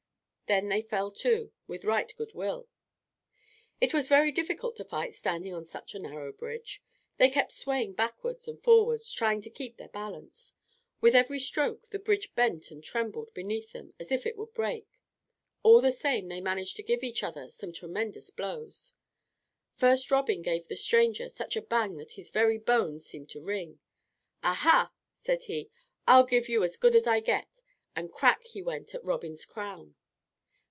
Then they fell to, with right good will. It was very difficult to fight standing on such a narrow bridge. They kept swaying backwards and forwards trying to keep their balance. With every stroke the bridge bent and trembled beneath them as if it would break. All the same they managed to give each other some tremendous blows. First Robin gave the stranger such a bang that his very bones seemed to ring. "Aha!" said he, "I'll give you as good as I get," and crack he went at Robin's crown.